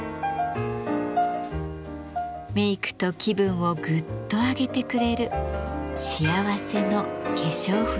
メイクと気分をグッと上げてくれる幸せの化粧筆です。